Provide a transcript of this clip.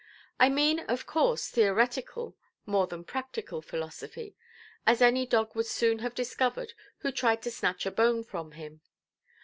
I mean, of course, theoretical more than practical philosophy; as any dog would soon have discovered who tried to snatch a bone from him.